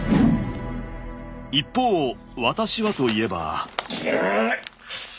一方私はといえば。